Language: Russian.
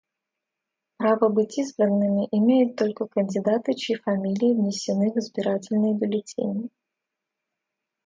Право быть избранными имеют только кандидаты, чьи фамилии внесены в избирательные бюллетени.